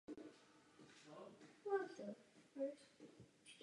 Carterová a Daniel vedou vězně Hvězdnou bránou na Zemi.